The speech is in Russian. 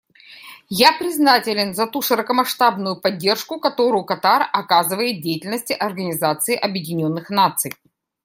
Я признателен за ту широкомасштабную поддержку, которую Катар оказывает деятельности Организации Объединенных Наций.